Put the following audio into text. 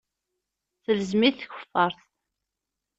Telzem-it tkeffart.